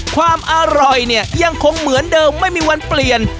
ความอร่อยเนี่ยยังคงเหมือนเดิมไม่มีวันเปลี่ยน